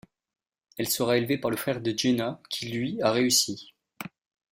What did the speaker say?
Il sera élevé par le frère de Gena, qui lui a réussi.